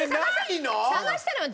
探したのよ。